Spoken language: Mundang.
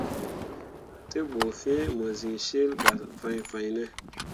Te ɓu fĩĩ mo siŋ cil gah fãi fãine.